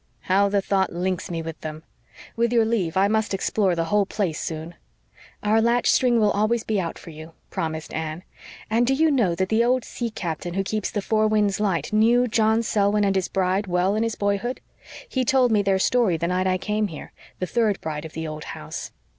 "How the thought links me with them! With your leave I must explore the whole place soon." "Our latch string will always be out for you," promised Anne. "And do you know that the old sea captain who keeps the Four Winds light knew John Selwyn and his bride well in his boyhood? He told me their story the night I came here the third bride of the old house."